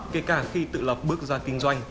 kể cả khi tự lập bước ra kinh doanh